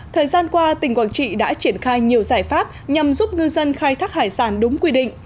thời gian qua tỉnh quảng trị đã triển khai nhiều giải pháp nhằm giúp ngư dân khai thác hải sản đúng quy định